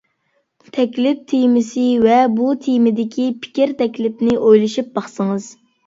تەكلىپ تېمىسى ۋە بۇ تېمىدىكى پىكىر-تەكلىپنى ئويلىشىپ باقسىڭىز.